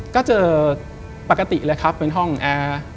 ก็จะปกติแหล่ะครับเพิ่งท่องแอร์